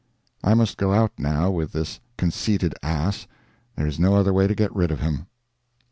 I must go out now with this conceited ass—there is no other way to get rid of him.